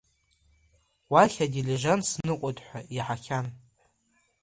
Уахь адилижанс ныҟәоит ҳәа иаҳахьан.